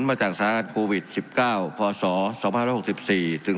มาจากสถานการณ์โควิดสิบเก้าพศสองพันร้อยหกสิบสี่ถึง